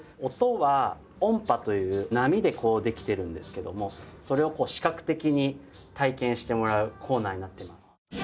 音は音波という波でできてるんですけどもそれを視覚的に体験してもらうコーナーになってます。